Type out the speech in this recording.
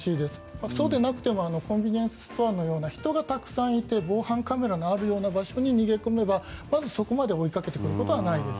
あと、そうでなくてもコンビニエンスストアのような人がたくさんいて防犯カメラのあるような場所に逃げ込めばまず、そこまで追いかけてくることはないです。